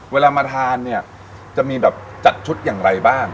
เวลามาทานจะมีจัดชุดอย่างไรบ้าง